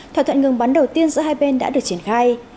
thỏa thuận ngừng bắn đầu tiên giữa hai bên đã được triển khai